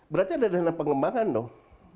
berarti ada dana pengembangan dong